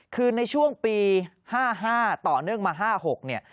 คือในช่วงปี๕๕ต่อเนื่องมา๕๖เนี่ย